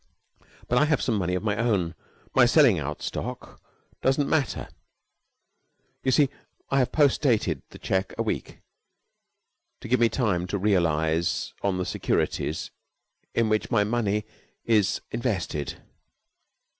But I have some money of my own. My selling out stock doesn't matter, you see. I have post dated the check a week, to give me time to realize on the securities in which my money is invested."